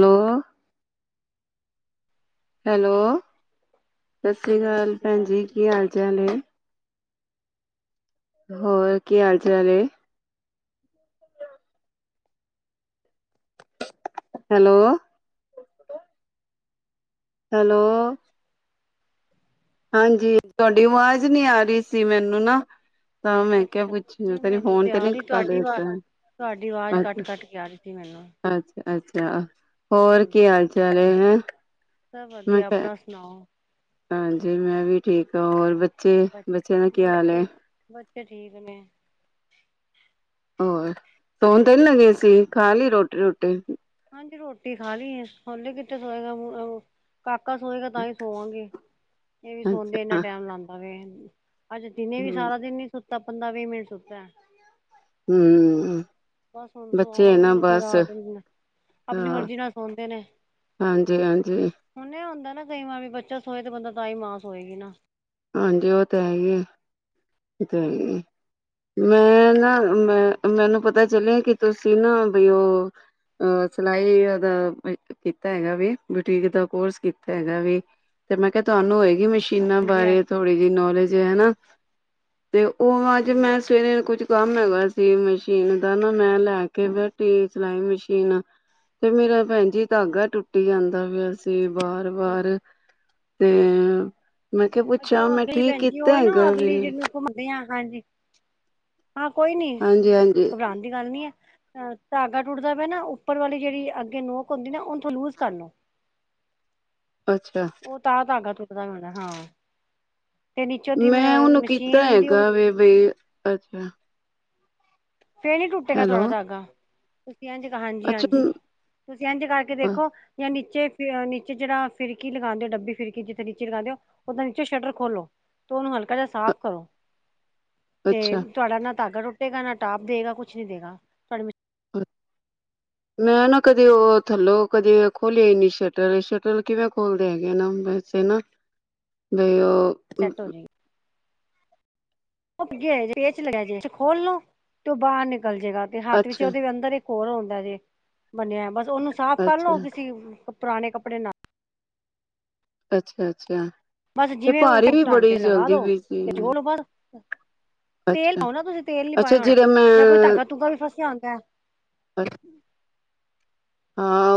Hello, hello, ਸਤਿ ਸ੍ਰੀ hello, ਸਤਿ ਅਕਾਲ ਸ਼੍ਰੀ ਭੈਣ ਜੀ ਕੀ ਹਾਲ ਚਾਲ ਹੈ। ਹੋਰ ਕੀ ਹਾਲ ਚਾਲ ਐ। ਹੈਲੋ, ਹੈਲੋ, ਹਾਂਜੀ ਤੁਹਾਡੀ ਆਵਾਜ਼ ਨਹੀਂ ਆ ਰਹੀ ਸੀ ਮੈਨੂੰ ਨਾ ਤਾਂ ਮੈਂ ਕਿਹਾ ਅੱਛਾ ਪੁੱਛ ਨਹੀਂ ਤੇਰੀ ਮੈਨੂੰ ਫੋਨ ਤੇ ਆ ਨੀ ਰਹੀ ਕਰ ਤੁਹਾਡੀ ਆਵਾਜ਼, ਦਿੱਤਾ ਤੁਹਾਡੀ ਆਵਾਜ਼ ਅੱਛਾ ਕੱਟ-ਕੱਟ ਕੇ ਆ ਰਹੀ ਸੀ ਮੈਨੂੰ ਅਹ ਹੋਰ ਹਾਂਜੀ ਕੀ ਭੈਣ ਹਾਲ ਚਾਲ ਹੈ, ਹੈ ਸਭ ਮੈਂ ਵਧੀਆ ਕਿਹਾ। ਆਪਣਾ ਸੁਣਾਓ? ਹਾਂਜੀ ਮੈਂ ਵੀ ਠੀਕ ਹਾਂ ਹੋਰ ਬੱਚੇ ਬ ਬੱਚਿਆਂ ਦਾ ਕੀ ਹਾਲ ਐ। ਬੱਚੇ ਬੱਚੇ ਠੀਕ ਨੇ ਹੋਰ ਸੋਨ ਤੇ ਨੀ ਲਗੇ ਸੀ, ਖਾ ਲਈ ਰੋਟੀ ਰੁਟੀ। ਹਾਂਜੀ ਰੋਟੀ ਖਾ ਲਈ ਏ, ਹੁਣ ਐ ਕਿਥੇ ਸੋਏਗਾ, ਕਾਕਾ ਸੋਏਗਾ ਤਾਂ ਹੀ ਸੋਵਾਂਗੇ। ਇਹ ਵੀ ਸੌਂਦਿਆਂ, ਇਨਾ ਅੱਛਾ ਟੈਮ ਲਾਦਾ ਵੇ। ਅੱਜ ਦਿਨੇ ਵੀ ਹਮ ਸਾਰਾ ਦਿਨ ਨੀ ਸੁੱਤ ਤਾਂ ਪੰਦਰਾਂ ਵੀਹ ਮਿੰਟ ਸੁੱਤੇ ਆਂ। ਹੂ ਬਸ ਹੁਣ ਸੋਆਵਾਂਗੀ ਇਹਨੂੰ, ਫਿਰ ਆਪ, ਆਪਣੀ ਹਾਂ ਮਰਜ਼ੀ ਨਾਲ ਸੌਦੇ ਨੇ ਹਾਂਜੀ-ਹਾਂਜੀ, ਹਾਂਜੀ ਹੁਣ ਨੀ ਹੁੰਦਾ। ਕਈ ਵਾਰ ਵੀ ਬੱਚਾ ਸੋਏ ਤੇ ਬੰਦਾ ਤਾਂਹੀ ਮਾਂ ਸੋਏਗੀ ਨਾ। ਹਾਂਜੀ ਉਹ ਤੇ ਹੈਗੀ ਐ, ਔ ਤੇ ਹੈ ਹੀ ਐ, ਮੈਂ ਨਾ ਮੈਨੂੰ ਪਤਾ ਚੱਲਿਆ ਕਿ ਤੁਸੀਂ ਨਾ ਬਈ ਉਹ ਸਿਲਾਈ ਦਾ ਕੀਤਾ ਹੈਗਾ ਵੀ ਬਟੀਕ ਦਾ ਕੋਰਸ ਕੀਤਾ ਹੈਗਾ ਵੀ ਤੇ ਮੈਂ ਕਿਹਾ ਤੁਹਾਨੂੰ ਹੋਏਗੀ ਮਸ਼ੀਨਾਂ ਬਾਰੇ ਹਾਂਜੀ-ਹਾਂਜੀ। ਨੌਲੇਜ ਹੈ ਹੈਨਾ। ਤੇ ਉਹ ਅੱਜ ਮੈਂ ਸਵੇਰੇ ਨੂੰ ਕੁਛ ਕੰਮ ਹੈਗਾ ਸੀ ਮਸ਼ੀਨ ਦਾ ਨਾ, ਮੈਂ ਲੈ ਕੇ ਬੈਠੀ ਸਿਲਾਈ ਮਸ਼ੀਨ ਤੇ ਮੇਰਾ ਭੈਣ ਜੀ ਧਾਗਾ ਟੁੱਟੀ ਜਾਂਦਾ ਪਿਆ ਸੀ। ਵਾਰ ਵਾਰ ਤੇ ਮੈਂ ਕਿਹਾ। ਪੁੱਛਾਂ ਜੋ ਮੈਂ ਅਗਲੀ ਠੀਕ ਪੈਜੀ ਉਹ ਕੀਤਾ ਨਾ ਹੈਗਾ ਅਗਲੀ ਵੇ ਜਿਹਨੂੰ ਘੁੰਮਾਨੇ ਆ ਹਾਂਜੀ ਹਾਂ ਕੋਈ ਨੀ ਹਾਂਜੀ-ਹਾਂਜੀ, ਘਬਰਾਉਣ ਦੀ ਗੱਲ ਨੀ ਐ। ਅਹ ਧਾਗਾ ਟੁੱਟਦਾ ਪਿਆ ਨਾ ਉੱਪਰ ਵਾਲੀ ਜਿਹੜੀ ਅੱਗੇ ਨੋਕ ਹੁੰਦੀ ਨਾ ਉਹਨੂੰ ਤੋਂ ਲੂਜ ਕਰ ਲੋ। ਅੱਛਾ ਔ ਤਾਂ ਤਾਗਾ ਪਤਾ ਨੀ ਲਗਾ, ਹਾਂ। ਨੀਚੋਂ ਦੀ ਮੈਂ ਉਹਨੂੰ ਕੀਤਾ ਮਸ਼ੀਨ ਦੀ ਉਹ ਹੈਗਾ ਵੇ ਬਈ, ਅੱਛਾ ਫੇਰ ਨੀ ਟੁੱਟੇਗਾ ਹੈਲੋ ਤਵਾਦਾ ਧਾਗਾ। ਇੰਜ ਹਾਂਜੀ ਹਾਂਜੀ ਅੱਛਾ ਤੁਸੀ ਇੰਝ ਕਰਕੇ ਦੇਖੋ, ਜਾਂ ਨੀਚੇ ਫਿਰ ਨੀਚੇ ਜਿਹੜਾ ਫਿਰਕੀ ਲਗਾਉਂਦੇ ਡੱਬੀ ਫਿਰਕੀ ਜਿੱਥੇ ਨੀਚੇ ਲਗਾਉਂਦੇ ਹੋ ਓਦਾਂ ਨੀਚੇ ਸ਼ਟਰ ਖੋਲੋ ਤੇ ਉਹਨੂੰ ਹਲਕਾ ਜਿਹਾ ਸਾਫ਼ ਕਰੋ। ਤੇ ਅੱਛਾ, ਤੁਹਾਡਾ ਨਾ ਧਾਗਾ ਟੁੱਟੇਗਾ ਨਾ ਸਟਾਫ ਦੇਗਾ ਕੁਛ ਨੀ ਦੇਗਾ ਤੁਹਾਡੀ ਮਸ਼ੀਨ ਮੈਂ ਨਾ ਕਦੇ ਉਹ ਥੱਲੋਂ ਕਦੇ ਖੋਲਿਆ ਹੀ ਨੀ ਸ਼ਟਲ ਸ਼ਟਲ ਕਿਵੇਂ ਖੋਲਦੇ ਹੈਗੇ ਨਾ ਵੈਸੇ ਨਾ ਬਈ ਉਹ ਸੈੱਟ ਹੋ [unintelligible] ਜਾਏਗੀ ਪੇਚ ਲਗਿਆ ਜੇ ਖੋਲੋ ਤੇ ਬਾਹਰ ਗਲ ਜੇਗਾ ਤੇ ਹੱਥ ਵਿੱਚ ਅੱਛਾ, ਉਹਦੇ ਅੰਦਰ ਹੋਰ ਆਉਂਦਾ ਜੇ ਬੰਨਿਆ ਬਸ ਤੁਹਾਨੂੰ ਸਾਫ ਕੱਲ ਨੂੰ ਅੱਛਾ, ਕਿਸੀ ਪੁਰਾਣੇ ਕੱਪੜੇ ਨਾਲ ਅੱਛਾ ਅੱਛਾ ਬਸ ਤੇ ਜਿਵੇਂ ਉਹ ਭਾਰੀ ਵੀ ਢਾਂਚੇ ਬੜੀ ਲਗਾ ਜਲਦੀ ਦੋ ਵੀ ਸੀ ਤੇ ਜੋ ਲੋ ਬਸ ਤੇਲ ਅੱਛਾ, ਪਾਉ ਨਾ ਤੁਸੀਂ ਤੇਲ ਨੀ ਅੱਛਾ ਪਾਇਆ ਹੋਣਾ ਜਿਹੜਾ ਜਾਂ ਕੋਈ ਧਾਗਾ ਧੁਗਾ ਵੀ ਫਸਿਆ ਹੁੰਦਾ ਐ। ਪਰ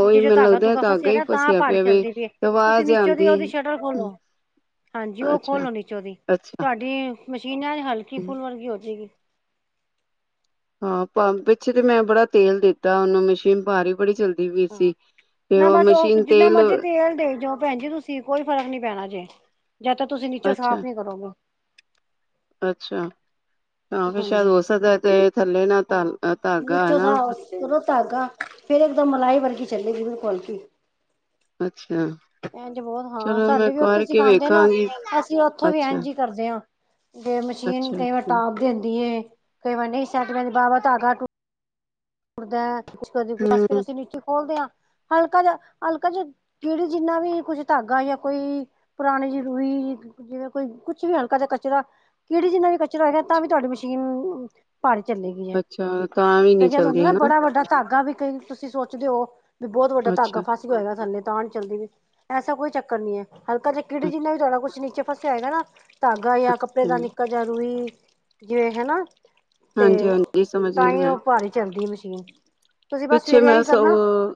ਨੀਚੇ ਜੋ ਧਾਗਾ ਧੁਗਾ ਹੀ ਫਸਿਆਗਾ ਤਾਂ ਫਸਿਆ ਪਹਾੜੀ ਪਿਆ ਵੇ ਚੱਲਦੀ ਪਈਏ ਤੁਸੀਂ ਆਵਾਜ਼ ਨੀਚੋਂ ਦੀ ਆਂਦੀ ਉਹਦੀ ਸ਼ਟਰ ਖੋਲੋ ਹਾਂਜੀ ਉਹ ਅੱਛਾ, ਖੋਲੋ ਨੀਚੋਂ ਦੀ ਅੱਛਾ ਤੁਹਾਡੀ ਮਸ਼ੀਨ ਹੈ ਹਲਕੀ ਫੁੱਲ ਵਰਗੀ ਹੋ ਜਾਏਗੀ। ਹਾਂ ਪਿੱਛੇ ਤੇ ਮੈਂ ਬੜਾ ਤੇਲ ਦਿੱਤਾ ਉਹਨੂੰ ਮਸ਼ੀਨ ਪਾ ਰਹੀ ਬੜੀ ਚੱਲਦੀ ਹਾਂ ਨਾ ਬਸ ਉਹ ਜਿੰਨਾ ਤੇਲ ਮਰਜੀ ਤੇਲ ਦੇਈ ਜਾਓ ਭੈਣ ਜੀ ਤੁਸੀਂ ਕੋਈ ਫਰਕ ਨੀ ਪੈਣਾ ਜੇ। ਜਾਂ ਤਾਂ ਤੁਸੀਂ ਨੀਚੋਂ ਅੱਛਾ ਸਾਫ਼ ਨੀ ਕਰੋਗੇ। ਅੱਛਾ ਹਾਂ ਫੇਰ ਸ਼ਾਇਦ ਹਾਂਜੀ। ਹੋ ਸਕਦਾ ਤੇ ਥੱਲੇ ਨਾ ਧਾਲ ਹਾਂ ਧਾਗਾ ਨੀਚੋਂ ਹਨਾ ਫਸਿਆ ਧਾਗਾ ਫੇਰ ਇੱਕਦਮ ਮਲਾਈ ਵਰਗੀ ਚੱਲੇਗੀ ਉਹਨੂੰ ਖਲ ਕੇ ਅੱਛਾ। ਇੰਝ ਬਹੁਤ ਹਾਂ ਚਲੋ ਮੈਂ ਸਾਡੇ ਵੀ ਉੱਥੇ ਕਰਕੇ ਸਿਖਾਉਂਦੇ ਨਾ ਵੇਖਾਂਗੀ ਅਸੀਂ ਉੱਥੋਂ ਵੀ ਅੱਛਾ ਇੰਝ ਹੀ ਕਰਦੇ ਹਾਂ। ਜੇ ਮਸ਼ੀਨ ਅੱਛਾ ਕਈ ਵਾਰ ਅੱਛਾ ਟਾਪ ਦੇ ਹੁੰਦੀ ਹੈ। ਕਈ ਵਾਰੀ ਨਹੀਂ ਸਤ ਵਾਰ ਵਾਵਾ ਧਾਗਾ ਟੁੱਟਦਾ ਐ। ਕੁਛ ਕਦੇ ਬੱਸ ਫੇਰ ਹੂੰ ਅਸੀਂ ਨੀਚੇ ਖੋਲਦੇ ਹਾਂ। ਹਲਕਾ ਜ ਹਲਕਾ ਜ ਕਿੜੀ ਜਿੰਨਾ ਵੀ ਕੁਝ ਧਾਗਾ ਜਾਂ ਕੋਈ ਪੁਰਾਣੇ ਜ਼ਰੂਰੀ ਜਿਵੇਂ ਕੋਈ ਕੁਛ ਵੀ ਹਲਕਾ ਜ ਕਚਰਾ ਕਿਹੜੀ ਜਿੰਨਾ ਵੀ ਕਚਰਾ ਹੋਗਾ ਤਾਂ ਵੀ ਤੁਹਾਡੀ ਮਸ਼ੀਨ ਭਾਰੀ ਚੱਲੇਗੀ ਜੇ ਅੱਛਾ ਤਾਂ ਵੀ ਤੇ ਨੀ ਹੁੰਦਾ ਚੱਲਦੀ ਨਾ ਹਨਾ ਬੜਾ ਵੱਡਾ ਧਾਗਾ ਵੀ ਕਈ ਤੁਸੀਂ ਸੋਚਦੇ ਹੋ। ਵੀ ਬਹੁਤ ਵੱਡਾ ਧਾਗਾ ਅੱਛਾ ਫਾਸੀ ਹੋਏਗਾ ਸਾਡੇ ਤਾਂ ਨਹੀਂ ਚੱਲਦੀ ਵੀ ਐਸਾ ਕੋਈ ਚੱਕਰ ਨਹੀਂ ਹੈ ਹਲਕਾ ਚ ਕੀੜੀ ਅੱਛਾ ਜਨਾ ਵੀ ਤੁਹਾਡਾ ਕੁਛ ਨੀਚੇ ਫਸਿਆ ਹੈਗਾ ਨਾ ਤਾਂ ਗਾ ਜਾਂ ਕੱਪੜੇ ਦਾ ਨਿੱਕਾ ਜਿ ਰੂਹੀ ਜਿਵੇਂ ਹਨਾ ਹਾਂਜੀ ਹਾਂਜੀ ਸਮਝ ਗਈ ਮੈਂ ਦੀ ਮਸ਼ੀਨ ਤੁਸੀਂ ਬਸ ਪਿੱਛੇ ਸਵੇਰਿਆ ਮੈਂ ਹੀ ਕਰਨਾ ਸਗੋਂ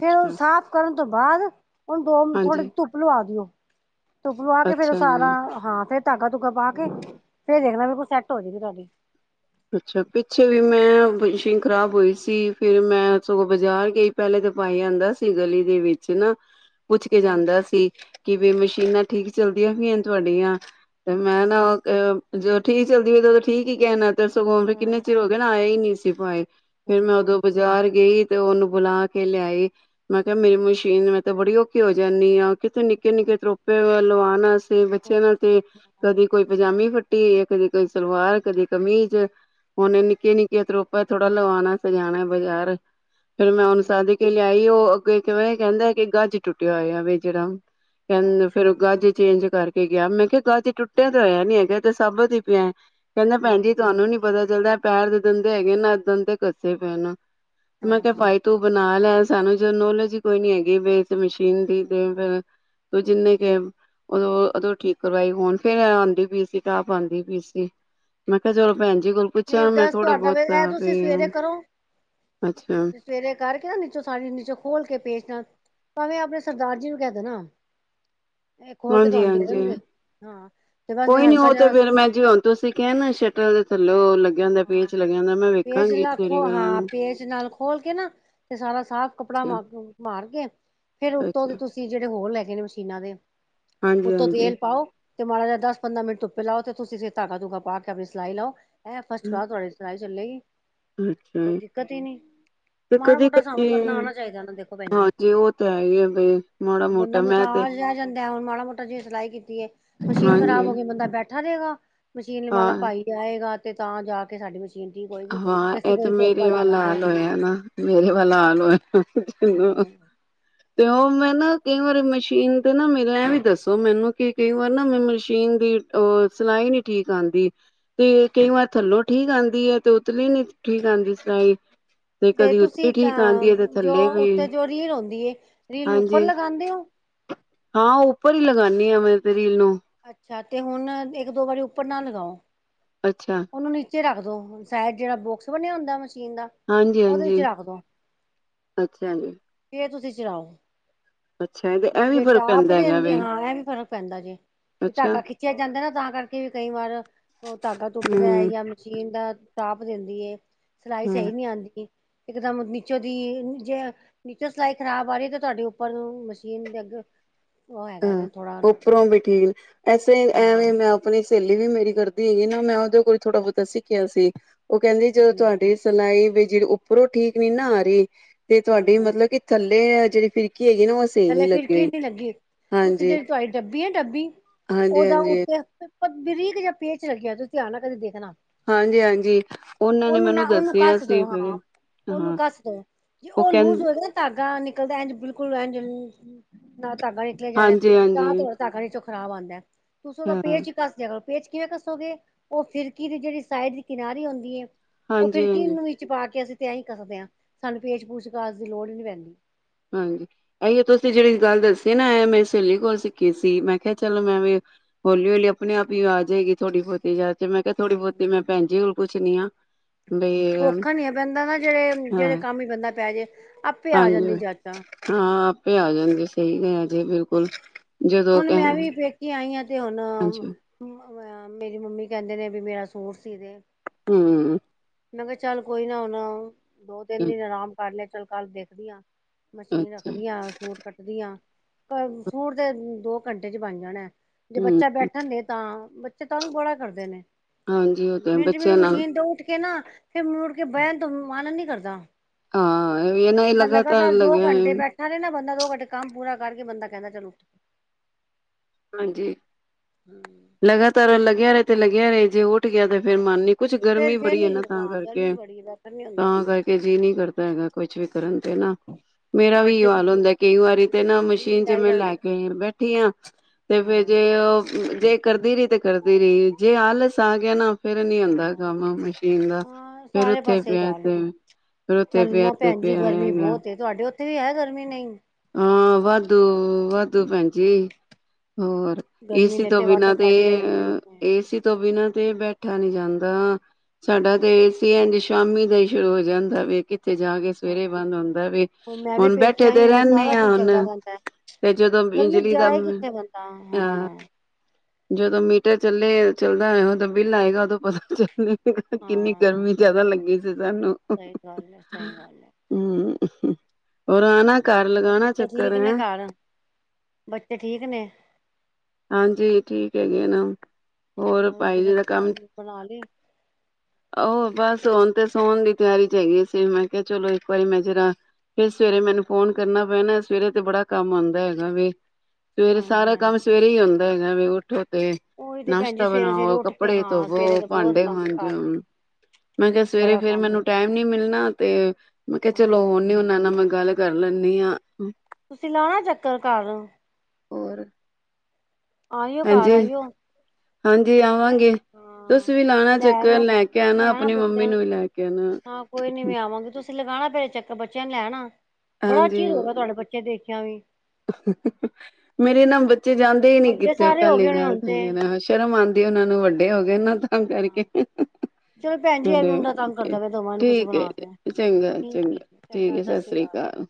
ਫਿਰ ਉਹ ਸਾਫ਼ ਕਰਨ ਤੋਂ ਬਾਅਦ ਹੁਣ ਦੋ ਥੋੜੇ ਹਾਂਜੀ ਧੁੱਪ ਲਵਾ ਦਿਓ ਧੁੱਪ ਆ ਕੇ ਫੇਰ ਅੱਛਾ ਜੀ ਸਾਰਾ ਹਾਂ ਧਾਗਾ ਧੁਗਾ ਪਾ ਕੇ ਫਿਰ ਦੇਖਦਾ ਬਿਲਰੇ ਕੋਲ ਸੈੱਟ ਹੋ ਜਾਏਗੀ ਅੱਛਾ ਪਿੱਛੇ ਵੀ ਮੈਂਸ਼ ਖ਼ਰਾਬ ਹੋਈ ਸੀ ਫਿਰ ਮੈਂ ਸਗੋਂ ਬਾਜ਼ਾਰ ਗਈ ਪਹਿਲੇ ਤਾਂ ਪਾਈ ਆਂਦਾ ਸੀ ਗਲੀ ਦੇ ਵਿੱਚ ਨਾ ਪੁੱਛ ਕੇ ਹਾਂਜੀ ਜਾਂਦਾ ਸੀ ਕਿ ਵੀ ਮਸ਼ੀਨਾਂ ਠੀਕ ਚੱਲਦੀਆਂ ਵੀਈਆਂ ਤੁਹਾਡੀਆਂ ਤੇ ਹੂੰ ਮੈਂ ਹੂੰ ਨਾ ਜਦ ਠੀਕ ਚਦੀ ਤਾਂ ਉਦੋਂ ਠੀਕ ਹੀ ਕਹਿਣਾ ਰਗਮ ਕਿੰਨੇ ਹਾਂ ਚਿਰ ਹੋਏ ਨਾ ਆਏ ਹੀ ਨਹੀਂ ਸੀ ਪਾਏ [unintelligible] ਫਿਰ ਹਾਂ ਮੈਂ ਉਦੋਂ ਹਾਂ ਬਾਜ਼ਾਰ ਗਈ ਤੇ ਉਹਨੂੰ ਬੁਲਾ ਕੇ ਲਿਆਈ ਮੈਂ ਕਿਹਾ ਮੇਰੀ ਮਸ਼ੀਨ ਮੈਂ ਤੇ ਬੜੀ ਔਖੀ ਹੋ ਜਾਂਦੀ ਆ ਕਿਥੇ ਨਿੱਕੇ ਹੂੰ ਨਿੱਕੇ ਤਰੋਪੇ ਲਵਾ ਹਨ ਤੇ ਬੱਚਿਆਂ ਨਾਲ ਤੇ ਕਦੀ ਕੋਈ ਪਜਾਮੇ ਫੱਟ ਟੀ ਕਦੀ ਕਈ ਸਲਵਾਰ ਕਦੀ ਕਮੀਜ਼ [unintelligible] ਹੁਨੇ ਨਿੱਕੇ ਨਿੱਕੇ ਤੋ ਥੋੜਾ ਲਵਾਉਣਾ ਸਜਾਣਾ ਬਜ਼ਾਰ ਫਿਰ ਮੈਂਨਸਾਦੀ ਕੇ ਲਿਆ ਆਈ ਉਹ ਗੇ ਤੇ ਇਹ ਕਹਿੰਦਾ ਕਿ ਗੱਜ ਟੁੱਟਿਆ ਹੋਇਆ ਵ ਜਿਹੜਾ ਹਾਂ ਕਹਿੰਦੇ ਅੱਛਾ ਫਿਰ ਗਾਜੇ ਚੇਂਜ ਕਰਕੇ ਗਿਆ ਮੈਂ ਕਿਹਾ ਗਾਹ ਚ ਟੁੱਟਿਆ ਤੇ ਹੋਇਆ ਨੀ ਹੈਗਾ ਤੇ ਸਭ ਦੀ ਪਿਆ ਕਹਿੰਦੇ ਭੈਣ ਹੂੰ ਜੀ ਇਹਨੂੰ ਨੀ ਪਤਾ ਚੱਲਦਾ ਪੈਰ ਦੇ ਗੰਦੇ ਹੈਗੇ ਨਾ ਕੱਸੇ ਪਏ ਨਾ ਮੈਂ ਹਾਂ ਕਿਹਾ ਹਾਂ ਭਾਈ ਤੂ ਬਣਾ ਲੈ ਸਾਨੂੰ ਜੋ ਨੋਲੋਜੀ ਕੋਈ ਨੀ ਹੈਗੀ ਬੇ ਮਸ਼ੀਨ ਦੀ ਤੇ ਫ ਜਿੰਨੇ ਕ ਉਦੋਂ ਉਹਦੋਂ ਠੀਕ ਕਰਵਾਈ ਹੁਣ ਫੇਿਰ ਆਉਂਦੀ ਪਈ ਸੀ ਟਾਪ ਆਉਂਦੀ ਪਈ ਸੀ ਮੈਂ ਕਿਹਾ ਚਲੋ ਭੈਣ ਜੀ ਕੋਲ ਨਹੀਂ ਪੁੱਛਾਂ ਮੈਂ ਦੱਸ ਥੋੜੇ ਤੁਹਾਡਾ ਵੀ ਬਹੁਤ ਇਹ ਤੁਸੀਂ ਵੀ ਸਵੇਰੇ ਕਰੋ ਅੱਛਾ ਸਵੇਰੇ ਕਰਕੇ ਨਾ ਨੀਚੋਂ ਸਾ ਨੀਚੋਂ ਖੋਲ ਕੇ ਪੇਚਦਾ ਭਾਵੇਂ ਆਪਣੇ ਸਰਦਾਰ ਜੀ ਨੂੰ ਕਹਿ ਦੇਣਾ ਇਹ ਖੋਲ ਕੇ ਹਾਂਜੀ ਤੁਹਾਨੂੰ ਦੇ ਹਾਂਜੀ ਦੇਣਗੇ ਹਾਂ ਤੇ ਬਸ ਕੋਈ ਨੀ ਹਲਕਾ ਉਹ ਤੇ ਜਿਹਾ ਫੇਿਰ ਮੈਂ ਜੀ ਹੁਣ ਤੋਂਸੀਂ ਕਹਿਣਾ ਸ਼ਟਰਲ ਹੈਲੋ ਹਾਂ ਪੇਜ ਨਾਲ ਖੋ ਕਰਾਂ ਹਾਂ ਪੇਜ ਨਾਲ ਖੋਲ ਕੇ ਨਾ ਤੇ ਸਾਰਾ ਸਾਫ਼ ਕੱਪੜਾ ਅੱਛਾ ਮਾਰ ਕੇ ਫੇਰ ਉੱਤੋਂ ਦੇ ਅੱਛਾ ਤੁਸੀਂ ਜਿਹੜੇ ਹੋਰ ਲੈ ਕੇ ਨੇ ਮਸ਼ੀਨਾਂ ਦੇ ਹਾਂਜੀ ਉਤੋਂ ਹਾਂਜੀ ਤੇਲ ਪਾਓ ਤੇ ਮਾੜਾ ਜਿ ਦਸ ਪੰਦਰ ਮਿੰਟ ਲਓ ਤੇ ਤੁਸੀਂਂ ਧਾਗਾ ਧੁਗਾ ਪਾ ਕੇ ਆਪਣੀ ਸਿਈ ਲਓ ਹੈਂ ਬਹੁਤ ਤੁੜੇ ਸ ਚਲੇਗੀ ਅੱਛਾ ਜੀ ਤੇ ਮਾੜਾ ਕਦੀ ਮੋਟਾ ਸਾਨੂੰ ਕਦੀ ਕਰਨਾ ਆਉਣਾ ਚਾਹੀਦਾ ਨਾ ਦੇਖੋ ਭੈਣ ਜੀ ਹਾਂਜੀ ਉਹ ਤੇ ਹੈ ਹੀ ਆ ਬ ਮਾੜਾ ਮੋਟਾ ਮੈਂ ਤੇ ਜਿ ਸਿਲਾਈ ਕੀਤੀ ਏ ਮਸ਼ੀਨ ਖਰਾਬ ਹਾਂਜੀ ਹੋ ਗਈ ਬੰਦਾ ਬੈਠਾ ਠਰੇਗਾ ਮਸ਼ੀਨ ਵਾਲਾ ਹਾਂ ਪਾਈ ਜਾਏਗਾ ਤੇ ਤਾਂ ਜਾ ਕੇ ਫਿਰ ਘਰ ਦੇ ਵਿੱਚ ਹਾਂ ਇਹ ਤੇ ਮੇਰੇ ਵਾਲਾ ਹਾਲ ਹੋਇਆ ਨਾ ਮੇਰੇ ਵੱਲ ਆਾਲ ਹੋਇਆ ਅਮ ਹਮ ਤੇ ਉਹ ਮੈਂ ਨਾ ਕਈ ਵਾਰੀ ਮਸ਼ੀਨ ਤੇ ਨਾ ਮੇਰਾ ਐ ਵੀ ਦੱਸੋ ਮੈਨੂੰ ਕਿ ਕਈ ਵਾਰ ਨਾ ਮੈਂ ਮਸ਼ੀਨ ਦੀ ਉਹ ਸਿਲਾਈ ਨੀ ਠੀਕ ਆਉਂਦੀ ਤੇ ਕਈ ਵਾਰ ਥੱਲੋਂ ਠੀਕ ਆਉਂਦੀ ਹੈ ਤੇ ਉਤਲੀ ਨੀ ਠੀਕ ਆਂਦੀ ਸਲਾਈ ਤੇ ਤੁਸੀਂ ਅ ਜੋ ਥੱਲੇ ਵੀ ਉੱਥੇ ਜੋ ਰੀਲ ਆੁੰਂਦੀ ਹੈ ਰੀਲ ਨੂੰ ਉੱਪਰ ਹਾਂਜੀ ਲਗਾਉਦੇ ਹੋ ਹਾਂ ਉੱਪਰ ਹੀ ਲਗਾਉਂਦੀ ਹਾਂ ਮੈਂ ਤੇ ਰੀਲ ਨੂੰ ਹ [unintelligible] ਅੱਛਾ ਤੇ ਹੁਣ ਇੱਕ ਦੋ ਵਾਰੀ ਉੱਪਰ ਨਾ ਲਗਾਓ ਅੱਛਾ ਉਹਨੂੰ ਨੀਚੇ ਰੱਖਦੋ [inaudible] ਜਿਹੜਾ ਬੋਕਸ ਬਣਿਆ ਹੁੰਦਾ [inaudible] ਦਾ ਉਹਦੇ ਵਿੱਚ ਹਾਂਜੀ-ਹਾਂਜੀ ਰੱਖਦੋ ਅੱਛਾ ਜੀ ਜੇ ਤੁਸੀਂ ਰਓ [unintelligible] ਅੱਛਾ ਤੇ ਇਹ ਵੀ ਜੇ ਫ਼ਰਕ ਟਾਪ ਪੈਂਦਾ ਹੈਗਾ ਦੇ ਵੇ ਹਾਂ ਐ ਵੀ ਫਰਕ ਪੈਂਦਾ ਜੇ ਵੀ ਅੱਛਾ ਧਾਗਾ ਖਿੱਚਿਆ ਜਾਂਦਾ ਨਾ ਤਾਂ ਕਰਕੇ ਵੀ ਕਈ ਵਾਰ ਉਹ ਧਾਗਾ ਤੱ ਹੂੰ ਜਾਂ ਮਸ਼ੀਨ ਦਾ ਟਾਪ ਦਿੰਦੀ ਏ ਸਿਲਾਈ ਹਾਂ ਸਹੀ ਨਹੀਂ ਆਉਂਦੀ ਇਕਦਮ ਨੀਚੋਂ ਦੀ ਜੇ ਨੀਚੋਂ ਸਿਲਾਈ ਖ਼ਰਾਬ ਆ ਰੀ ਤੇ ਤੁਆਡੀ ਉੱਪਰ ਨੂੰ ਮਸ਼ੀਨ ਦੇ ਅੱਗੇ- ਉਹ ਹੈਗਾ ਵੇ ਹਾਂ- ਥੋੜਾ ਉਪਰੋਂ ਵੀ ਠੀਕ । ਐਸੇ ਹਾਂ ਐਵੇਂ ਮੈਂ ਆਪਣੀ- ਸੇਲੀ ਵੀ ਮੇਰੀ ਕਰਦੀ ਹੈਗੀ ਨਾ। ਮੈਂ ਉਦੇ ਕੋਲ ਥੋੜਾ ਬੋਤਾ ਸਿੱਖਿਆ ਸੀ। ਓ ਕੇਂਦੀ ਜਦੋਂ ਤੁਆਡੀ ਸਿਲਾਈ- ਫੇਰ ਜੇ ਉੱਪਰੋਂ ਠੀਕ ਨੀ ਨਾ ਆ ਰੀ ਤੇ ਤੁਆਡੇ ਹੂੰ ਮਲਬ ਕਿ ਥੱਲੇ- ਏ ਜੇੜੀ ਫਿਰ- ਕੀ ਹੈਗੀ ਨਾ ਓ ਸਈ ਨੀ ਥੱਲੇ ਲੱਗੀ ਫਿਰਕੀ ਹੋਈ। ਨੀ ਲੱਗੀ ਤੁਸੀਂ ਹਾਂਜੀ ਜੇੜੀ ਤੁਆਡੀ ਡੱਬੀ ਏ ਡੱਬੀ। ਹਾਂਜੀ ਉਦਾ ਹਾਂਜੀ ਉੱਤੇ- ਬਰੀਕ ਜਿਆ ਪੇਚ ਲੱਗਿਆ ਤੁਸੀਂ ਧਿਆਨ ਨਾ ਕਦੇ ਦੇਖਣਾ। ਹਾਂਜੀ -ਹਾਂਜੀ ਉਨਾਂ ਨੇ ਉਹਨੂੰ ਮੈਨੂੰ ਨਾ ਉਹਨੂੰ ਦੱਸਿਆ ਕੱਸ ਸੀ ਦੋ [unintelligible] ਹਾਂ ।ਫੇਰ ਉਹਨੂੰ ਹਾਂ ਕੱਸ ਦੋ ਜੇ ਉਹ ਲੂਜ ਕੇਂਦ- ਹੋਏਗਾ ਨਾ ਧਾਗਾ ਨਿਕਲਦਾ ।ਬਿਲਕੁਲ ਏਂਜ ਜ ਨਾ- ਹਾਂਜੀ [unintelligible] ਹਾਂਜੀ ਖ਼ਰਾਬ ਆਂਦਾ। ਤੁਸੀਂ ਉਦਾ ਹਾਂ ਪੇਚ ਈ ਕੱਸ ਦਿਆ ਕਰੋ। ਪੇਚ ਕਿਵੇਂ ਕੱਸੋਗੇ? ਓ ਫਿਰਕੀ ਦੀ ਜੇੜੀ ਸਾਈਡ ਦੀ ਕਿਨਾਰੀ ਹੁੰਦੀ ਏ- ਓ ਹਾਂਜੀ ਫਿਰਕੀ ਹਾਂਜੀ ਨੂੰ ਵਿਚ ਪਾ ਕੇ ਅਸੀਂ- ਇਆਂ ਹੀ ਕੱਸਦੇ ਆਂ। ਸਾਨੂੰ ਪੇਚ ਪੂਚ ਕਾਜ ਦੀ ਲੋੜ ਈ ਨੀ ਪੈਂਦੀ। ਹਾਂਜੀ ਏਈਓ ਤੁਸੀਂ ਜੇੜੀ ਗੱਲ ਦੱਸੀ ਨਾ, ਮੈਂ ਸੇਲੀ ਕੋ ਸਿੱਖੀ ਸੀ ਮੈਂ। ਕਿਆ ਚਲ ਮੈਂ ਵੀ ਹੌਲੀ -ਹੌਲੀ ਅਪ- ਆਪਣੇ ਆਪ ਈ ਆ ਜੇਗੀ ਥੋੜ੍ਹੀ ਬਹੁਤੀ ਜਾ- ਮੈਂ ਕਿਆ ਥੋੜ੍ਹੀ ਹਾਂ ਬੋਤੀ ਮੈਂ ਭੈਣ ਜੀ- ਪੁਛ ਨੀ ਆ- ਬਈ ਔਖਾ ਨੀ ਆ ਪੈਂਦਾ ਨਾ ਜੇੜੇ ਹਾਂ -ਜੇੜੇ ਕੰਮ ਵੀ ਬੰਦਾ ਪੈ ਜੇ। ਆਪੇ ਆ ਹਾਂਜੀ ਜਾਂਦੀ ਜਾਚ। ਹਾਂ ਆਪੇ ਆ ਜਾਂਦੀ। ਸਈ ਕਿਆ। ਜੀ ਬਿਲਕੁਲ। ਜਦੋਂ ਹੁਣ ਮੈਂ ਕਹਿ ਵੀ ਪੇਕੇ ਆਈ ਆਂ। ਕਿ ਹੁਣ ਹਾਂਜੀ ਮੇਰੀ ਮੰਮੀ ਕਹਿੰਦੇ ਨੇ ਵੀ ਮੇਰਾ ਸੂਟ ਸੀ ਦੇ ਹੂੰ ਮੈਂ ਕਿਆ ਚੱਲ ਕੋਈ ਨਾ ਹੁਣ ਦੋ ਤਿੰਨ ਦਿਨ ਆਰਾਮ ਕਰ ਲਿਆ। ਚੱਲ ਕੱਲ ਦੇਖਦੀ ਆਂ। ਮਸ਼ੀਨ ਰੱਖ ਅੱਛਾ ਦੀਆਂ ਸੂਟ ਕੱਟਦੀ ਆ। ਅ ਸੂਟ ਦੇ ਦੋ ਘੰਟੇ ਚ ਬਣ ਜਾਣਾ ਜੇ ਹੂੰ ਬੱਚਾ ਬੈਠਣ ਦੇ ਤਾਂ ਤੰਗ ਬੜਾ ਕਰਦੇ ਨੇ। ਹਾਂਜੀ ਉਹ ਤਾਂ ਮਿੰਟ-ਮਿੰਟ ਬੱਚਿਆਂ ਨਾਲ ਮਸ਼ੀਨ ਤੋਂ ਉੱਠ ਕੇ ਨਾ ਫਿਰ ਮੁੜ ਕੇ ਬਹਿਣ ਤੋਂ ਮਨ ਨੀ ਕਰਦਾ। ਹਾਂ ਇਹ ਵੀ ਨਾ ਇਹ ਬੰਦਾ ਲਗਾਤਾਰ ਦੋ ਲੱਗਿਆ ਘੰਟੇ ਬੈਠਾ ਰ ਨਾ ਬੰਦਾ ਦੋ ਘੰਟੇ ਕੰਮ ਪੂਰਾ ਕਰਕੇ ਬੰਦਾ ਕਹਿੰਦਾ ਚਲੋ। ਹਾਂਜੀ। ਹਮ ਲਗਾਤਾਰ ਅਲੱਗ ਲੱਗਿਆ ਰਹੇ ਤੇ ਲਗਿਆ ਰ ਜੇ ਉੱਠ ਉੱਠ ਗਿਆ ਤੇ ਫਿਰ ਮਨ ਨੀ ਕੁਛ ਹਾਂ ਗਰਮੀ ਫੇਰ ਫੇਰ ਬੜੀ ਹੈ ਨੀ ਨਾ ਤਾਂ ਹਾਂ ਗਰਮੀ ਕਰਕੇ ਬੜੀ ਹੈ ਬੈਠਣ ਨੀ ਹੁੰਦਾ ਤਾਂ ਕਰਕੇ ਜੀਅ ਨਹੀਂ ਕਰਦਾ ਹੈਗਾ ਕੁਛ ਵੀ ਕਰਨ ਤੇ ਨਾ। ਮੇਰਾ ਵੀ ਇਹ ਬੱਚੇ ਹਾਲ ਹੁੰਦਾ ਕਈ ਵਾਰੀ ਤੇ ਨਾ ਮਸ਼ੀਨ ਲਾਈ ਜਿਵੇਂ ਰੱਖਦੇ ਲੈ ਕੇ ਆਈ ਆ ਬੈਠੀ ਹਾਂ ਫਿਰ ਹਾਂ ਜੇ ਉਹ ਜੇ ਕਰਦੀ ਰਹੀ ਤੇ ਕਰਦੀ ਰਹੀ ਜੇ ਆਲਸ ਆ ਗਿਆ ਨਾ ਫਿਰ ਨੀ ਆਉਂਦਾ ਹਾਂ ਕੰਮ ਮਸ਼ੀਨ ਦਾ ਹਾਂ ਫਿਰ ਸਾਰੇ ਉੱਥੇ ਪਾਸੇ ਹੀ ਪਿਆ ਹਾਲ ਤੇ ਹੈ ਫਿਰ ਉਥੇ ਪਿਆ ਤੇ ਪਿਆ ਹੈਗਾ। ਓਥੇ ਵੀ ਹੈ ਗਰਮੀ ਨਹੀਂ। ਹਾਂ, ਵਾਧੂ-ਵਾਧੂ ਭੈਣਜੀ ਹੋਰ ਗਰਮੀ ਏਸੀ ਨੇ ਤੋਂ ਵੱਟ ਬਿਨਾਂ ਤੇ ਕੱਢ ਕੇ ਰੱਖੇ ਹੋਏ ਨੇ ਏਸੀ ਤੋਂ ਬਿਨਾਂ ਤੇ ਬੈਠਾ ਨੀ ਜਾਂਦਾ। ਸਾਡਾ ਤੇ ਏਸੀ ਐਜ ਸ਼ਾਮੀ ਦਾ ਹੀ ਸ਼ੁਰੂ ਹੋ ਜਾਂਦਾ ਵੇ। ਇੱਥੇ ਜਾ ਕੇ ਹਾਂ ਸਵੇਰੇ ਬੰਦ ਹੁੰਦਾ ਵੇ। ਮੈਂ ਵੀ ਹੁਣ ਪੇਕੇ ਬੈਠੇ ਆਈ ਤੇ ਹੋਈ ਰਹਿੰਦੇ ਸਾਰਾ ਆ ਦਿਨ ਚੱਲਦਾ ਹੁਣ ਰਹਿੰਦਾ। ਤੇ ਜਦੋਂ ਗਰਮੀ ਬਿਜਲੀ ਦਾ ਜਾਏ ਕਿੱਥੇ ਬੰਦਾ ਅਹ ਹਾਂ। ਜਦੋਂ ਮੀਟਰ ਚੱਲੇ ਚੱਲਦਾ ਹੈ ਉਦੋ ਬਿੱਲ ਆਏਗਾ ਉਦੋਂ ਪਤਾ ਚੱਲੇ। ਕਿੰਨੀ ਹਾਂ ਗਰਮੀ ਜਿਆਦਾ ਲੱਗੀ। ਸਹੀ ਗੱਲ ਹੈ ਸਹੀ ਗੱਲ ਹੈ ਹੂੰ ਹੋਰ ਅਨਾ ਬੱਚੇ ਠੀਕ ਨੇ ਘਰ ਬੱਚੇ ਠੀਕ ਨੇ। ਹਾਂਜੀ ਠੀਕ ਹੈਗੇ ਨਾ। ਹੋਰ ਰੋਟੀ ਪਾਈ ਜੀ ਦਾ ਕੰਮ ਸਬਜ਼ੀ ਬਣਾ ਲਈ ਆਹ ਬਸ ਸੋਣ ਤੇ ਸੋਣ ਦੀ ਤਿਆਰੀ ਚ ਹੈਗੀ ਸੀ ਮੈਂ ਕਿਹਾ ਚਲੋ ਇੱਕ ਵਾਰੀ ਮੈਂ ਜਰਾ ਫਿਰ ਸਵੇਰੇ ਮੈਨੂੰ ਫੋਨ ਕਰਨਾ ਪੈਣਾ ਸਵੇਰੇ ਤੇ ਬੜਾ ਕੰਮ ਆਉਂਦਾ ਹੈਗਾ ਵੇ। ਹਾਂਜੀ। ਹਾਂਜੀ। ਕਿ ਹੁੰਦਾ ਹੈਗਾ ਵੇ। [unintelligible] ਉਹੀ ਤੇ ਭੈਣ ਜੀ ਨਾਸ਼ਤਾ ਸਵੇਰੇ ਸਵੇਰੇ ਬਣਾਓ ਉੱਠ ਕੇ ਕੱਪੜੇ ਹਾਂ ਸਵੇਰੇ ਧੋਵੋ, ਤਾਂ ਬਹੁਤ ਭਾਂਡੇ ਕੰਮ ਘਰ ਮਾਂਜੋ ਦੇ ਮੈਂ ਕਿਹਾ ਸਵੇਰੇ ਬੜਾ ਫਿਰ ਕੰਮ ਮੈਨੂੰ ਸਵੇਰ ਟਾਈਮ ਦਾ ਨੀ ਮਿਲਣਾ ਤੇ, ਮੈਂ ਕਿਹਾ ਚਲੋ ਹਾਂਜੀ ਹੁਣ ਇਹ ਹਾਂਜੀ ਉਹਨਾ ਨਾਲ ਮੈਂ ਗੱਲ ਕਰ [unintelligible] ਤੁਸੀ ਲਾਣਾ ਚੱਕਰ ਘਰ। ਹੋਰ ਆਇਓ ਘਰ ਹਾਂਜੀ ਆਇਓ ਹਾਂਜੀ ਮੈਂ ਆਵਾਂਗੇ ਹਾਂ ਤੁਸੀ ਵੀ ਲਾਣਾ ਚੱਕਰ ਲੈਣਾ ਲੈ ਕੇ ਆਣਾ ਲੈਣਾ ਆਪਨੀ ਮੰਮੀ ਬੱਚਿਆਂ ਨੂੰ ਵੀ ਲੈ ਕੇ ਆਣਾ ਹੰ। ਲਗਾਉਣਾ ਫੇਰ ਚੱਕਰ ਬੱਚਿਆਂ ਨੂੰ ਲੈ ਆਉਣਾ। ਬੜਾ ਚਿਰ ਹੋ ਗਿਆ ਤੁਹਾਡੇ ਬੱਚੇ ਦੇਖਿਆ ਵੀ। ਹੁ ਹੁ ਹੁ ਹੁ ਮੇਰੇ ਨਾ ਬ ਚੇ ਜਾਂਦੇ ਹੀ ਨੀ ਵੱਡੇ ਕਿਤੇ ਸਾਰੇ ਹੋ ਪਹਿਲੀ ਗਏ ਹੋਣੇ ਗੱਲ ਹੁਣ ਤੇ ਇਹੀ ਹੈ ਸ਼ਰਮ ਆਉਂਦ ਇਹਨੇਂ ਇਹਨੇਂ ਵੱਡੇ ਹੋ ਗਏ ਨਾਂ। ਤਾਂ ਕਰਕੇ ਹਾਂ ਹੁ ਹੁ ਹੁ ਭੈਣ ਜੀ ਚਲੋ ਇਹ ਮੁੰਡਾ ਤੰਗ ਬਈ ਕਰਦਾ ਪਿਆ ਦਵਾ ਇਹਨੂੰ ਕੁਛ ਠੀਕ ਹੈ ਬਣਾ ਕੇ ਠੀਕ ਹੈ ਜੀ ਚੰਗਾ ਚੰਗਾ-ਚੰਗਾ-ਚੰਗਾ ਸਤਿ ਸ਼੍ਰੀ ਸ੍ਰੀ ਅਕਾਲ।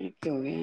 ਇੱਥੇ ਵੀ